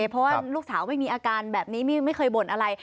เพราะว่าลูกสาวไม่มีอาการแบบนี้ไม่เคยบ่นอะไร